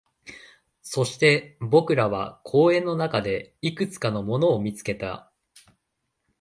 そして、僕らは公園の中でいくつかのものを見つけた